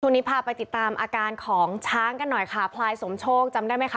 พาไปติดตามอาการของช้างกันหน่อยค่ะพลายสมโชคจำได้ไหมคะ